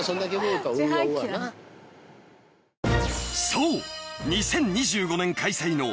［そう！］